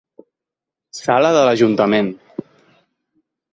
Sala de l'Ajuntament.